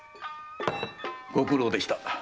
ご苦労でした。